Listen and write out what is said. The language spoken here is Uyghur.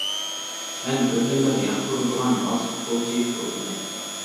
مەن بىردىنبىر ياقتۇرىدىغان ۋاسكېتبولچى شۇ ئىدى.